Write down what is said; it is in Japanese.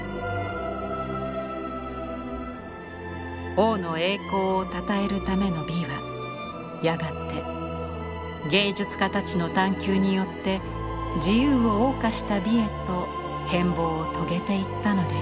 王の栄光をたたえるための美はやがて芸術家たちの探求によって自由を謳歌した美へと変貌を遂げていったのです。